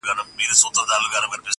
o لكه برېښنا.